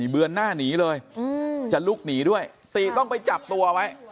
เบือนหน้าหนีเลยจะลุกหนีด้วยติต้องไปจับตัวไว้